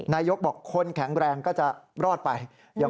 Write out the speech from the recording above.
นายกบอกคนแข็งแรงก็จะรอดไป